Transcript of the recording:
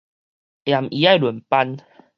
下暗伊愛輪班